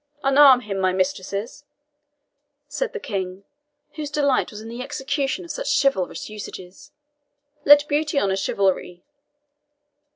"Unarm him, my mistresses," said the King, whose delight was in the execution of such chivalrous usages; "let Beauty honour Chivalry!